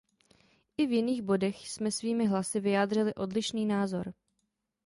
I v jiných bodech jsme svými hlasy vyjádřili odlišný názor.